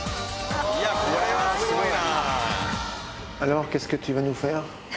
いや、これはすごいな。